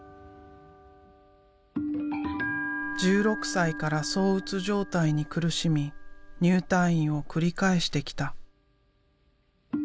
１６歳からそううつ状態に苦しみ入退院を繰り返してきた。